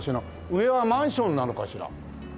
上はマンションなのかしら？